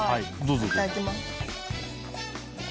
いただきます。